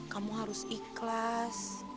kamu harus ikhlas